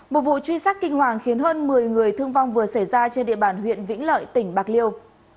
một vụ truy sát kinh hoàng khiến hơn một mươi người thương vong vừa xảy ra trên địa bàn huyện vĩnh lợi tỉnh bạc liêu